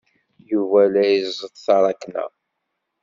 Yuba la iẓeṭṭ taṛakna.